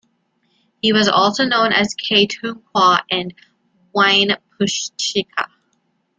He was also known as Keigh-tugh-qua and Wynepuechsika.